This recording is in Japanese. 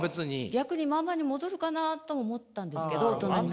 逆に「ママ」に戻るかなと思ったんですけど大人になったら。